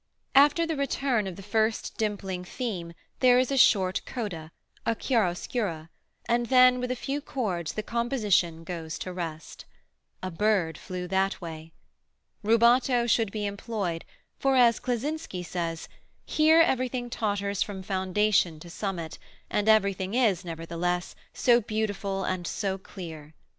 After the return of the first dimpling theme there is a short coda, a chiaroscura, and then with a few chords the composition goes to rest. A bird flew that way! Rubato should be employed, for, as Kleczynski says, "Here everything totters from foundation to summit, and everything is, nevertheless, so beautiful and so clear."